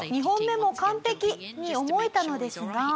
２本目も完璧！に思えたのですが。